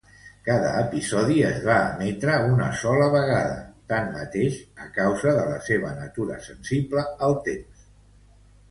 Cada episodi es va emetre una sola vegada, tanmateix, a causa de la seva natura sensible al temps.